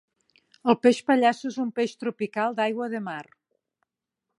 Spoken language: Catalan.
El peix pallasso és un peix tropical d'aigua de mar.